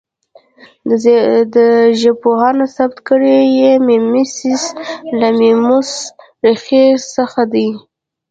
ژبپوهانو ثابته کړې چې میمیسیس له میموس ریښې څخه دی